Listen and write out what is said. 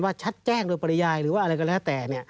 ชัดแจ้งโดยปริยายหรือว่าอะไรก็แล้วแต่